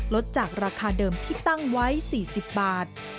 ลดจากราคาเดิมที่ตั้งไว้๔๐บาท